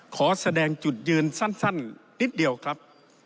ขอแสดงจุดยืนสั้นนิดเดียวครับ